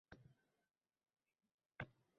Ikki yondan o’q yog’ar